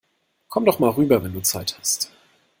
Komm doch mal rüber, wenn du Zeit hast!